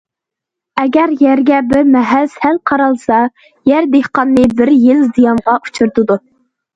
ئەگەر يەرگە بىر مەھەل سەل قارالسا يەر دېھقاننى بىر يىل زىيانغا ئۇچرىتىدۇ.